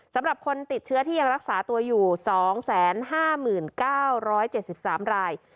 สำหรับคนติดเชื้อที่ยังรักษาตัวอยู่๒๕๙๗๓ราย